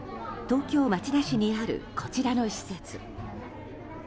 東京・町田市にあるこちらの施設。